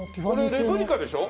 これレプリカでしょ？